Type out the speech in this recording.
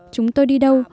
chúng tôi đi đâu